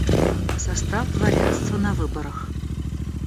Состав дворянства на выборах.